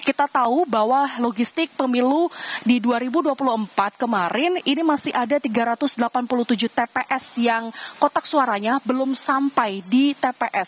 kita tahu bahwa logistik pemilu di dua ribu dua puluh empat kemarin ini masih ada tiga ratus delapan puluh tujuh tps yang kotak suaranya belum sampai di tps